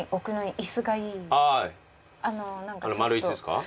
丸椅子ですか？